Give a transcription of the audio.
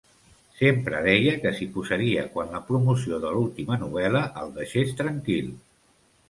Sempre deia que s'hi posaria quan la promoció de l'última novel·la el deixés tranquil.